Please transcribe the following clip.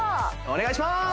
お願いしまーす！